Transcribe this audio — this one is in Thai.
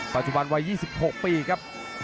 ปัจจุบันวัย๒๖ปีครับ